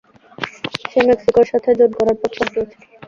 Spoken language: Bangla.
সে মেক্সিকোর সাথে জোট গড়ার প্রস্তাব দিয়েছে।